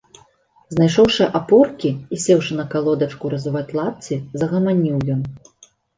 Знайшоўшы апоркі і сеўшы на калодачку разуваць лапці, загаманіў ён.